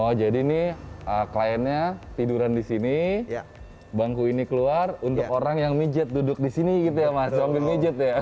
oh jadi ini kliennya tiduran di sini bangku ini keluar untuk orang yang mijat duduk di sini gitu ya mas sambil mijat ya